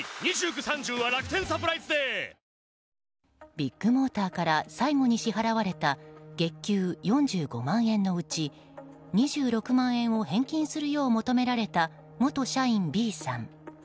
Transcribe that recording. ビッグモーターから最後に支払われた月給４５万円のうち２６万円を返金するよう求められた、元社員Ｂさん。